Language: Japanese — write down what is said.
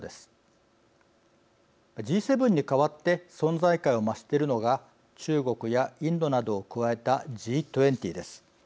Ｇ７に代わって存在感を増しているのが中国やインドなどを加えたＧ２０です。